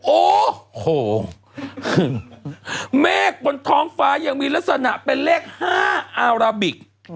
โอ้โหเมฆบนท้องฟ้ายังมีลักษณะเป็นเลข๕อาราบิก